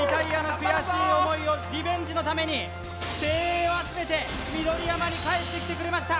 悔しい思いをリベンジのために精鋭を集めて緑山に帰ってきてくれました